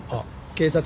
警察。